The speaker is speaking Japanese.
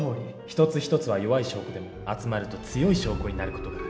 一つ一つは弱い証拠でも集まると強い証拠になる事がある。